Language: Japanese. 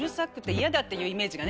っていうイメージがね